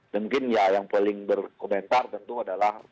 mungkin ya yang paling berkomentar tentu adalah